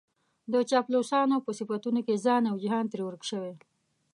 د چاپلوسانو په صفتونو کې ځان او جهان ترې ورک شوی.